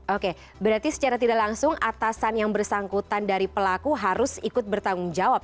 oke berarti secara tidak langsung atasan yang bersangkutan dari pelaku harus ikut bertanggung jawab